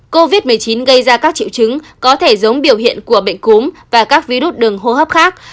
covid một mươi chín gây ra các triệu chứng có thể giống biểu hiện của bệnh cúm và các virus đường hô hấp khác